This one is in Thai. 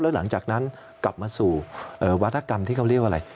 แล้วหลังจากนั้นกลับมาสู่วัตกรรมที่เขาเรียกว่าอะไร